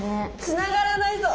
つながらないぞ！